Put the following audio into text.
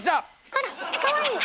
あらかわいい。